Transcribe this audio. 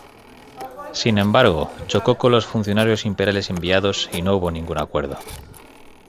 Sin embargo, chocó con los funcionarios imperiales enviados y no hubo ningún acuerdo.